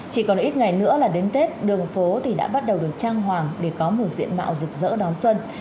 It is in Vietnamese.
chỉ còn ít ngày nữa là đến tết đường phố thì đã bắt đầu được trang hoàng để có một diện mạo rực rỡ đón xuân